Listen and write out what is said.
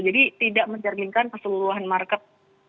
tidak mencerminkan keseluruhan market